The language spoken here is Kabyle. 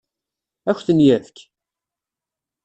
Ad k-ten-yefk?